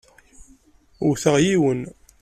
Wteɣ yiwen.